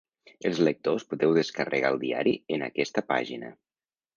Els lectors podeu descarregar el diari en aquesta pàgina.